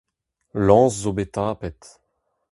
Lañs zo bet tapet.